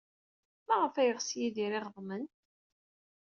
Maɣef ay yeɣs Yidir iɣeḍmen?